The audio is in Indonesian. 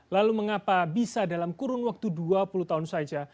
lalu mengapa bisa dalam kurun waktu dua puluh tahun saja